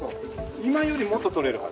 今よりもっととれるはず。